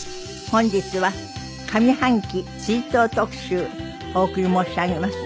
本日は上半期追悼特集お送り申し上げます。